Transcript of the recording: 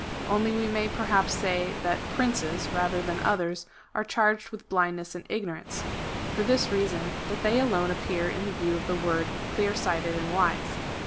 Only we may perhaps say, that princes, rather than others, are charged with blindness and ignorance — for this reason, that they alone appear in the view of the word clear sighted and wise.